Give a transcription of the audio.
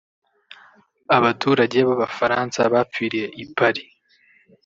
Abaturage b’Abafaransa bapfiriye i Paris